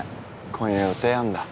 今夜予定あんだ